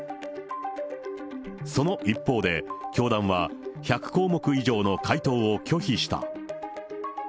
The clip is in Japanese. その一方で、教団は１００項目以上の回答を拒否した。